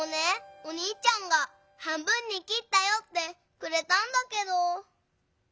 おにいちゃんが「半分にきったよ」ってくれたんだけど。